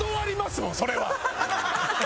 それは。